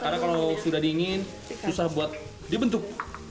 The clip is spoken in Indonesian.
karena kalau sudah dingin susah dibentuk